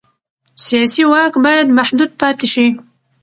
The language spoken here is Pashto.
سیاسي واک باید محدود پاتې شي